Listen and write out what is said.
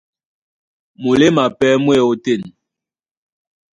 Muléma pɛ́ mú e ótên.